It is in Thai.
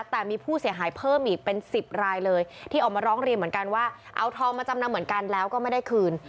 แต่มีผู้เสียหายเพิ่มอีกเป็น๑๐รายเลยที่ออกมาร้องเรียนเหมือนกันว่าเอาทองมาจำนำเหมือนกันแล้วก็ไม่ได้คืน